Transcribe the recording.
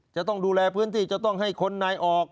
จะต้องดูแลพื้นที่จะต้องให้คนในออก